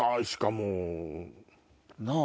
もう。なぁ？